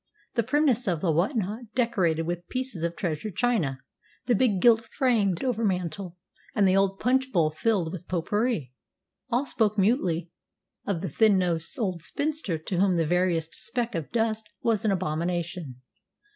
The primness of the whatnot decorated with pieces of treasured china, the big gilt framed overmantel, and the old punch bowl filled with pot pourri, all spoke mutely of the thin nosed old spinster to whom the veriest speck of dust was an abomination.